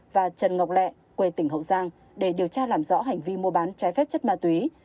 và trần ngọc lẹ quê tỉnh hậu giang để điều tra làm rõ hành vi mua bán trái phép chất ma túy